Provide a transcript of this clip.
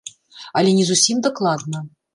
Але не зусім дакладна.